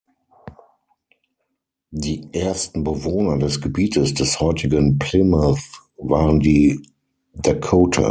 Die ersten Bewohner des Gebietes des heutigen Plymouth waren die Dakota.